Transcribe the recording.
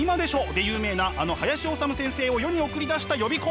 で有名なあの林修先生を世に送り出した予備校。